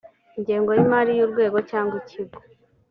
ingengo y imari y urwego cyangwa ikigo